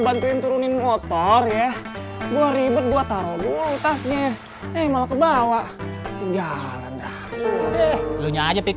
bantuin turunin motor ya gua ribet buat taruh gue tasnya emang kebawa jalan udah belunya aja